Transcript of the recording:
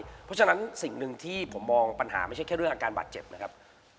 เพราะฉะนั้นสิ่งหนึ่งที่ผมมองปัญหาไม่ใช่แค่เรื่องอาการบาดเจ็บนะครับ